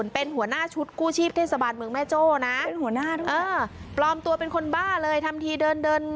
เป็นหัวหน้าทุกคนเออปลอมตัวเป็นคนบ้าเลยทำทีเดินเดิน